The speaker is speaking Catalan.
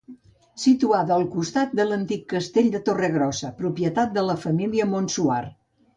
Situada al costat de l'antic castell de Torregrossa, propietat de la família Montsuar.